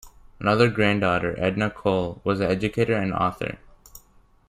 Another grand daughter, Edna Coll, was an educator and author.